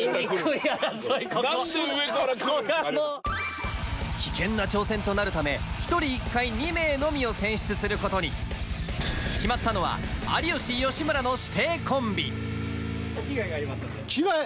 ここ何で上から来るんですか危険な挑戦となるため１人１回２名のみを選出することに決まったのは有吉吉村の師弟コンビ着替え？